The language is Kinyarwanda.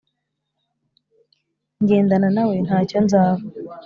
ngendana nawe, ntacyo nzaba